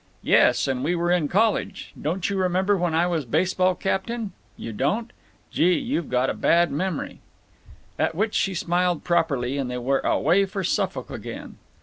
"Yes, and we were in college. Don't you remember when I was baseball captain? You don't? Gee, you got a bad memory!" At which she smiled properly, and they were away for Suffolk again.